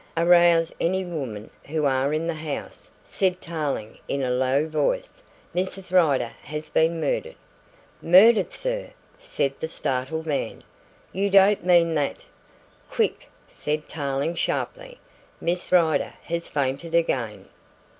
"Arouse any women who are in the house," said Tarling in a low voice. "Mrs. Rider has been murdered." "Murdered, sir!" said the startled man. "You don't mean that?" "Quick," said Tarling sharply, "Miss Rider has fainted again."